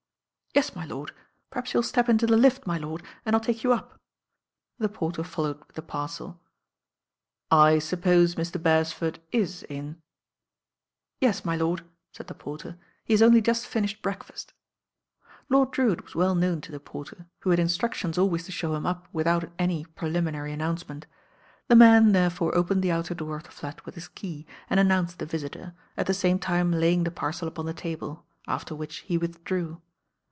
"Yes, my lord. Perhaps you'll step into the lift, my lord, and Til take you up." The porter followed with the parcel. "I suppose Mr. Beresford is in?" "Yes, my lord,'* said the porter. "He has only just finished breakfast" Lord Drewitt was well known to the porter, who had instructions always to show him up without any preliminary announcement. The man therefore opened the outer door of the flat with his key, and announced the visitor, at the same time laying the parcel upon the table, after which he withdrew.